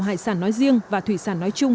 hải sản nói riêng và thủy sản nói chung